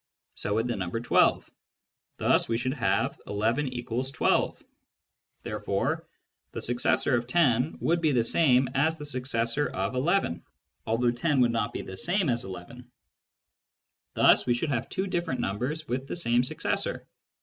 So would the number 12. Thus we should have 11 = 12 ; therefore the successor of 10 would be the same as the successor of 11, although 10 would not be the same as 11. Thus we should have two different numbers with the same successor.